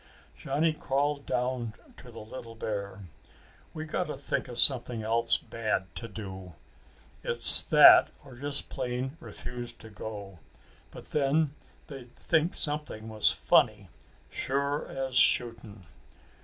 Johnny crawled down to the little bear. "We gotta think of something else bad to do. It's that or just plain refuse to go. But then they'd think something was funny, sure as shooting!"